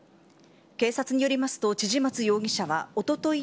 警察によりますと千々松容疑者はおととい